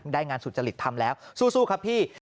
ได้งานสุจริตทำแล้วสู้ครับพี่